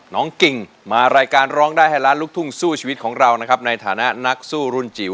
กิ่งมารายการร้องได้ให้ล้านลูกทุ่งสู้ชีวิตของเรานะครับในฐานะนักสู้รุ่นจิ๋ว